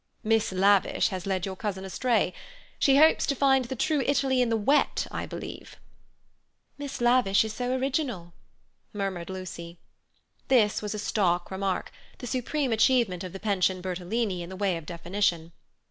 "Miss Lavish has led your cousin astray. She hopes to find the true Italy in the wet I believe." "Miss Lavish is so original," murmured Lucy. This was a stock remark, the supreme achievement of the Pension Bertolini in the way of definition.